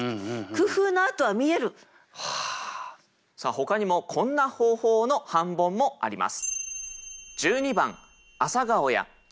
ほかにもこんな方法の半ボンもあります。